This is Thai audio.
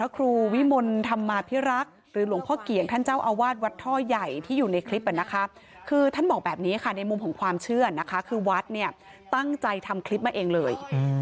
คือวัดตั้งใจทำคลิปมาเองเลย